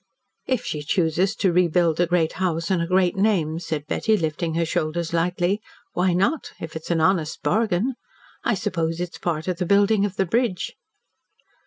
"If she chooses to rebuild a great house and a great name," said Betty, lifting her shoulders lightly, "why not if it is an honest bargain? I suppose it is part of the building of the bridge."